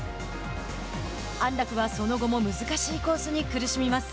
安樂はその後も難しいコースに苦しみます。